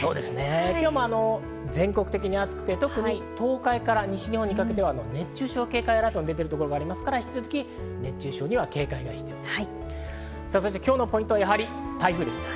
今日も全国的に暑くて、特に東海から西日本にかけては熱中症警戒アラートが出ているところがありますから、引き続き熱中症には警戒が必要です。